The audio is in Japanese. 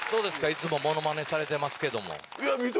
いつもものまねされてますけども。